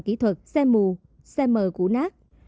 kỹ thuật xe mù xe mờ củ nát